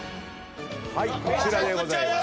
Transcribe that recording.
はいこちらでございます。